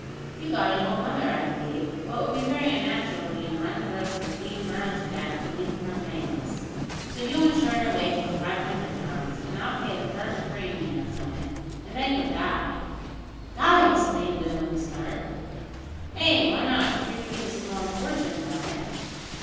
You've got an old mother, I believe; well, it would be very unnatural in you to run the risk of being burned to death, an' leaving her penniless; so you'll insure your life for five hundred pounds, and I'll pay the first premium on it, and then you'll die " "Die!" exclaimed Boone, with a start. "Ay; why not, if you're to get a small fortune by it."